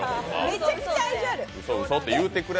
めちゃくちゃ愛情ある。